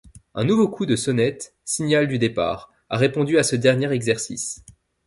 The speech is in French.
Un nouveau coup de sonnette, signal du départ, a répondu à ce dernier exercice.